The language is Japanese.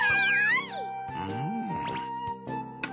うん。